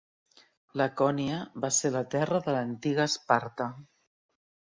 Lacònia va ser la terra de l'antiga Esparta.